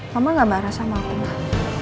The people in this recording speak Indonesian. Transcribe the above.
mama gak marah sama aku mah